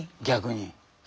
逆に。